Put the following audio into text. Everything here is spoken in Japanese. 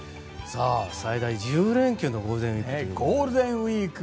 さあ、最大１０連休のゴールデンウィーク。